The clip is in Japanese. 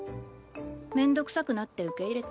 面倒くさくなって受け入れた。